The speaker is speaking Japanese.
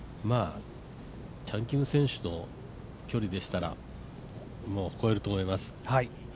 チャン・キム選手の距離でしたら越えると思います。